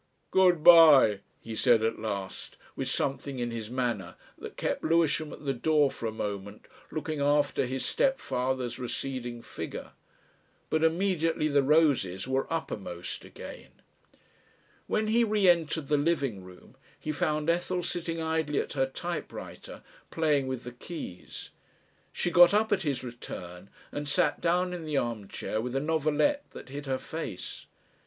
"Good bye," he said at last with something in his manner that kept Lewisham at the door for a moment looking after his stepfather's receding figure. But immediately the roses were uppermost again. When he re entered the living room he found Ethel sitting idly at her typewriter, playing with the keys. She got up at his return and sat down in the armchair with a novelette that hid her face.